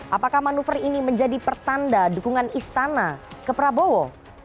apakah manuver ini menjadi pertanda dukungan istana ke prabowo